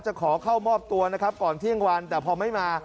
ขอเข้ามอบตัวนะครับก่อนเที่ยงวันแต่พอไม่มา